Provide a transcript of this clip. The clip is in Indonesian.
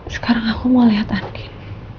sekarang aku mau lihat target